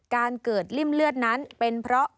การเกิดริ่มเลือดนั้นเป็นเพราะ